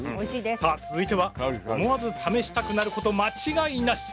さあ続いては思わず試したくなること間違いなし。